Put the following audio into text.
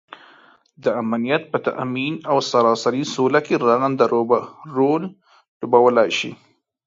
دامنیت په تآمین او سراسري سوله کې رغنده رول لوبوالی شي